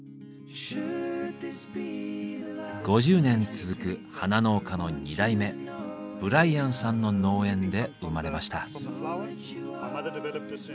５０年続く花農家の二代目ブライアンさんの農園で生まれました。